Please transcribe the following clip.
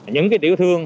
những cái tiểu thương